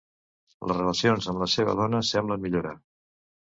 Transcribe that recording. Les relacions amb la seva dona semblen millorar.